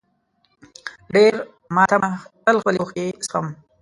له ډېر ماتمه تل خپلې اوښکې څښم.